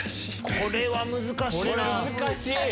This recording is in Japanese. これは難しい！